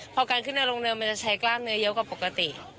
พอการขึ้นในโรงเรือมันจะใช้กล้ามเนื้อเยอะกว่าปกติ